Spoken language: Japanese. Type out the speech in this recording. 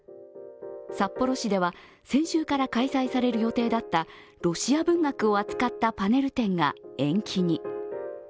札幌市では、先週から開催される予定だったロシア文学を扱ったパネル展が延期に。